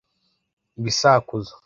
Ibisakuzo